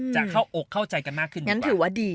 จะเข้าอกเข้าใจกันมากขึ้นดีกว่า